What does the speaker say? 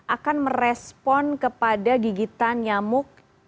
akan merespon kepada gigitan nyamuk